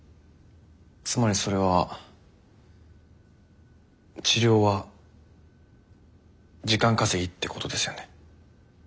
つまりそれは治療は時間稼ぎってことですよね？